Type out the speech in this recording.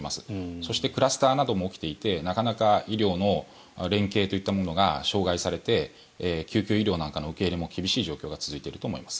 そしてクラスターなども起きていてなかなか医療の連携といったものが障害されて救急医療なんかの受け入れも厳しい状況が続いていると思います。